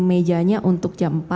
mejanya untuk jam empat